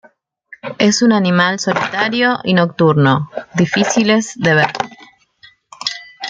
Es un animal solitario y nocturno, difíciles de ver.